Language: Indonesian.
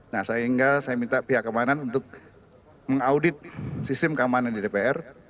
nah sehingga saya minta pihak keamanan untuk mengaudit sistem keamanan di dpr